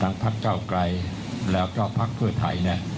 ทั้งพักก้าวไกรแล้วพักเพื่อไทย